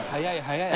早い！